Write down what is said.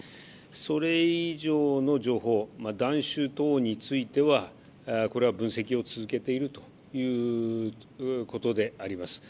それ以上の情報、弾種等についてはこれは分析を続けているということであります。